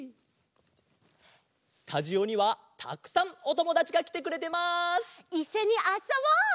スタジオにはたくさんおともだちがきてくれてます！いっしょにあっそぼう！